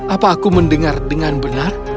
apa aku mendengar dengan benar